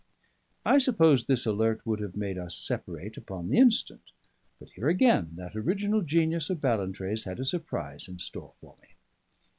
I supposed this alert would have made us separate upon the instant. But here again that original genius of Ballantrae's had a surprise in store for me.